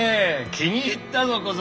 気に入ったぞ小僧。